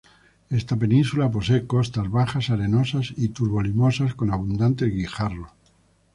Esta península posee costas bajas, arenosas y turbo-limosas, con abundantes guijarros.